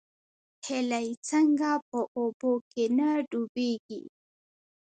هیلۍ څنګه په اوبو کې نه ډوبیږي؟